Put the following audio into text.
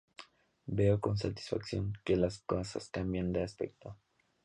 Veo con satisfacción que las cosas cambian de aspecto.